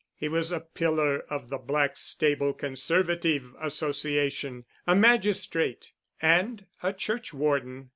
He was a pillar of the Blackstable Conservative Association, a magistrate, and a churchwarden.